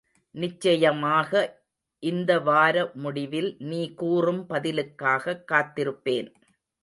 நிச்சயமாக இந்தவார முடிவில் நீ கூறும் பதிலுக்காகக் காத்திருப்பேன்.